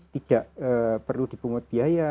tidak perlu dibungkut biaya